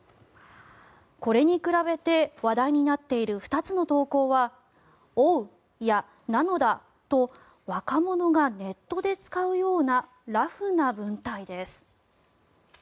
これに比べて話題になっている２つの投稿は「おう。。」や「なのだ」と若者がネットで使うようなラフな文体です。